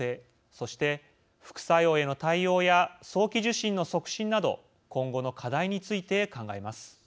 そして副作用への対応や早期受診の促進など今後の課題について考えます。